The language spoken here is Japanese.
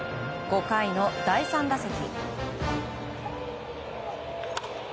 ５回の第３打席。